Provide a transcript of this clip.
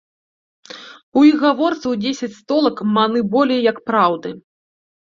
У іх гаворцы ў дзесяць столак маны болей, як праўды.